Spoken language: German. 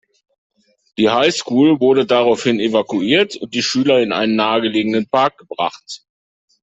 Die High School wurde daraufhin evakuiert und die Schüler in einen nahegelegenen Park gebracht.